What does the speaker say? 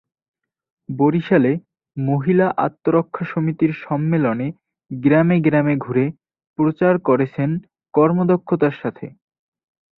বরিশালে মহিলা আত্মরক্ষা সমিতির সম্মেলনে গ্রামে গ্রামে ঘুরে প্রচার করেছেন কর্মদক্ষতার সাথে।